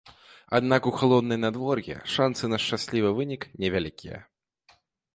Аднак у халоднае надвор'е шанцы на шчаслівы вынік невялікія.